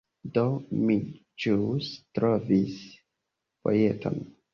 Do, mi ĵus trovis vojeton